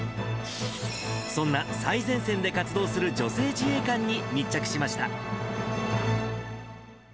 そんな最前線で活動する女性自衛官に密着しました。